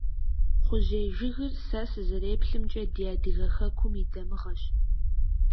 Кхъужьей жыгыр, сэ сызэреплъымкӀэ, ди адыгэ хэкум и дамыгъэщ.